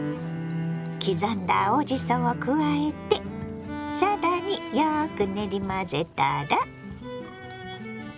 刻んだ青じそを加えて更によく練り混ぜたら。